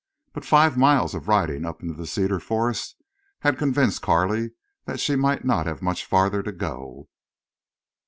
But five miles of riding up into the cedar forest had convinced Carley that she might not have much farther to go.